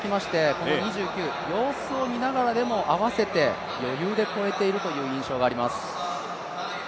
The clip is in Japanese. この２９、様子を見ながらでも合わせて余裕で越えているという印象があります。